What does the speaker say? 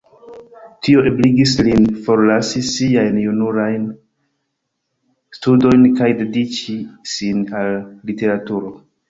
Tio ebligis lin forlasi siajn jurajn studojn kaj dediĉi sin al literaturo.